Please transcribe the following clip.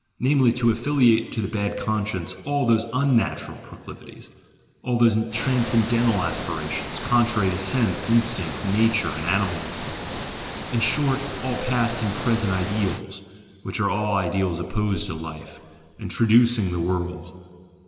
— namely, to affiliate to the "bad conscience" all those unnatural proclivities, all those transcendental aspirations, contrary to sense, instinct, nature, and animalism — in short, all past and present ideals, which are all ideals opposed to life, and traducing the world.